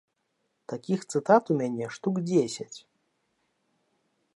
Такіх цытат у мяне штук дзесяць.